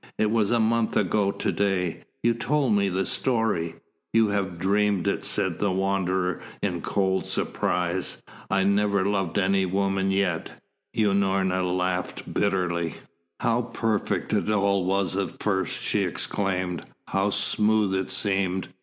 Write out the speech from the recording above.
It was a month ago to day. You told me the story." "You have dreamed it," said the Wanderer in cold surprise. "I never loved any woman yet." Unorna laughed bitterly. "How perfect it all was at first!" she exclaimed. "How smooth it seemed!